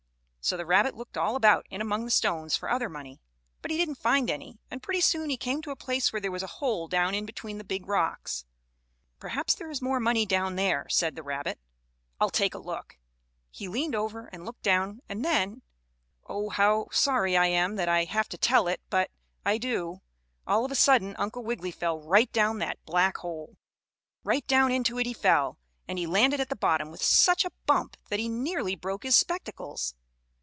So the rabbit looked all about in among the stones for other money. But he didn't find any, and pretty soon he came to a place where there was a hole down in between the big rocks. "Perhaps there is more money down there," said the rabbit. "I'll take a look." He leaned over, and looked down, and then Oh, how sorry I am that I have to tell it, but I do, all of a sudden Uncle Wiggily fell right down that black hole. Right down into it he fell, and he landed at the bottom with such a bump that he nearly broke his spectacles.